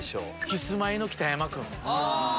キスマイの北山君。